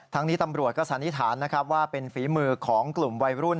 นี้ตำรวจก็สันนิษฐานนะครับว่าเป็นฝีมือของกลุ่มวัยรุ่น